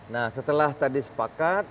nah setelah tadi sepakat